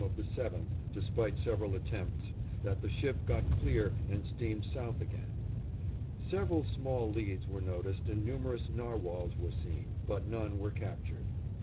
of the 7th, despite several attempts, that the ship got clear and steamed south again. Several small leads were noticed and numerous narwhals were seen, but none were captured.